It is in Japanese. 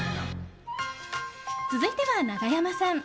続いては永山さん。